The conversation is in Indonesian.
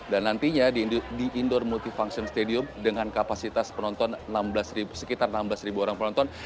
dan nantinya di indoor multifunction stadium dengan kapasitas penonton sekitar enam belas orang penonton